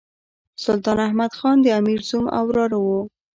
سلطان احمد خان د امیر زوم او وراره وو.